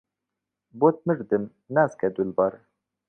بۆت مردم ناسکە دولبەر